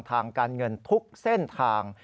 ทางการเงินทุกเส้นทาง